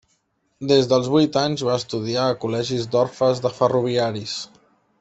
Des dels vuit anys va estudiar a col·legis d'orfes de ferroviaris.